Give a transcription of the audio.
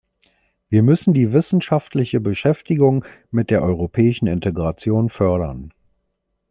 Wir müssen die wissenschaftliche Beschäftigung mit der europäischen Integration fördern.